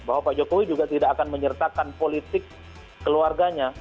bahwa pak jokowi juga tidak akan menyertakan politik keluarganya